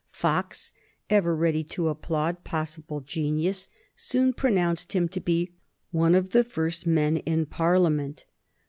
Fox, ever ready to applaud possible genius, soon pronounced him to be one of the first men in Parliament.